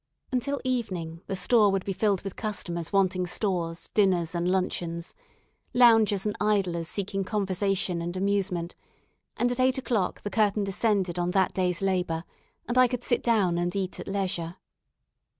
Until evening the store would be filled with customers wanting stores, dinners, and luncheons; loungers and idlers seeking conversation and amusement; and at eight o'clock the curtain descended on that day's labour, and I could sit down and eat at leisure.